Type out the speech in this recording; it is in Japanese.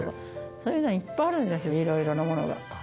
そういうの、いっぱいあるんです、いろいろなものが。